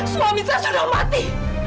suami saya sudah mati